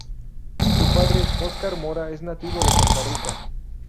Su padre, Oscar Mora, es nativo de Costa Rica.